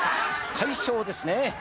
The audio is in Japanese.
快勝ですね。